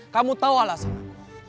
kamu tahu alasan aku